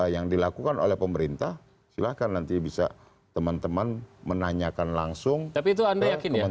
yang dilakukan oleh pemerintah silahkan nanti bisa teman teman menanyakan langsung ke kementerian dalam negeri